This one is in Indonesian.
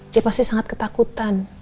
dia pasti sangat ketakutan